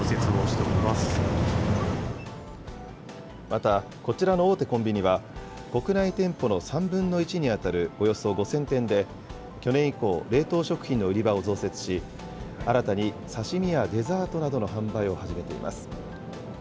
また、こちらの大手コンビニは、国内店舗の３分の１に当たるおよそ５０００店で、去年以降、冷凍食品の売り場を増設し、新たに刺身やデザートなどの販売を始めています。